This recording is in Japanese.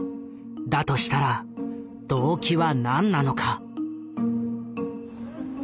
だとしたら動機は何なのか。